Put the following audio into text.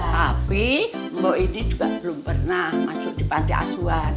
tapi mbak ini juga belum pernah masuk di pantai asuhan